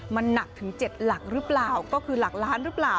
มันหนักถึง๗หลักหรือเปล่าก็คือหลักล้านหรือเปล่า